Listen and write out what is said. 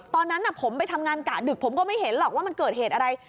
ตอนนั้นผมไปทำงานกะดึกผมก็ไม่เห็นหรอกว่ามันเกิดเหตุอะไร